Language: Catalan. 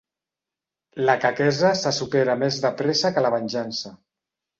La quequesa se supera més de pressa que la venjança.